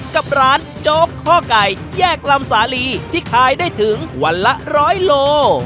กับร้านโจ๊กข้อไก่แยกลำสาลีที่ขายได้ถึงวันละร้อยโล